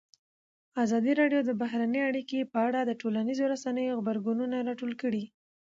ازادي راډیو د بهرنۍ اړیکې په اړه د ټولنیزو رسنیو غبرګونونه راټول کړي.